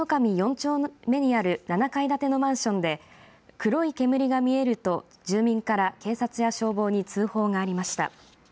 丁目にある７階建てのマンションで黒い煙が見えると住民から警察や消防に通報がありました。